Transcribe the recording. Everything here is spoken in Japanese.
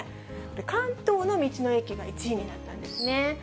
関東の道の駅が１位になったんですね。